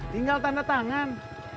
tinggal tanda tangan